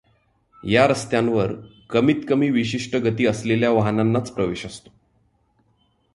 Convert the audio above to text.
या रस्त्यांवर कमीतकमी विशिष्ट गति असलेल्या वाहनांनाच प्रवेश असतो.